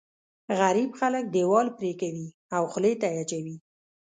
غريب خلک دیوال پرې کوي او خولې ته یې اچوي.